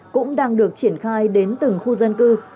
cũng đang được triển khai đến từng khu dân cư